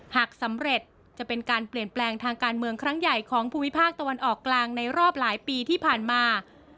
หากสำเร็จจะเป็นการเปลี่ยนแปลงทางการเมืองครั้งใหญ่ของภูมิภาคตะวันออกกลางในรอบหลายปีที่ผ่านมา